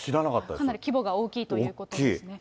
かなり規模が大きいということですね。